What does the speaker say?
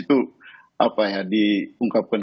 itu apa ya diungkapkan